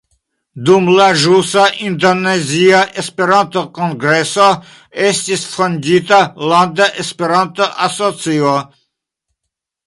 Dum la ĵusa Indonezia Esperanto-kongreso estis fondita landa Esperanto-asocio.